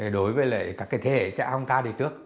đối với các thế hệ chạy ông ta từ trước